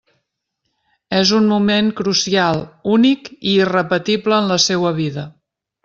És un moment crucial, únic i irrepetible en la seua vida.